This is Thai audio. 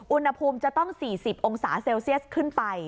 อุณหภูมิจะต้อง๔๐องศาเซลเซียสขึ้นไป